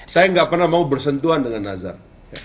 saya nggak pernah mau bersentuhan dengan nazar